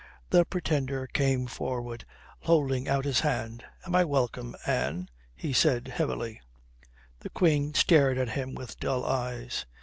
The Pretender came forward, holding out his hand. "Am I welcome, Anne?" he said heavily. The Queen stared at him with dull eyes.